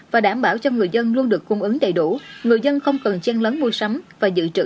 và đảm bảo cho người dân luôn được cung ứng đầy đủ người dân không cần chân lấn mua sắm và dự trữ